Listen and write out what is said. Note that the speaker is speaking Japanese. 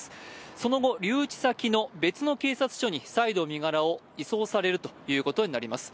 その後、留置先の別の警察署に再度身柄を移送されるということになります。